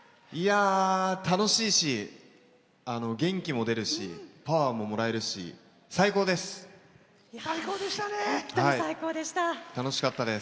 楽しいし、元気も出るしパワーももらえるし最高です！